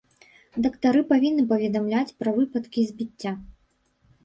Дактары павінны паведамляць пра выпадкі збіцця.